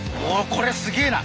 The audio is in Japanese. これすげえな。